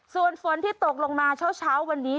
ส่วนฝนที่ตกลงมาเช้าวันนี้